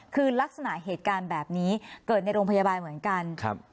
คือลักษณะเหตุการณ์แบบนี้เกิดในโรงพยาบาลเหมือนกันครับ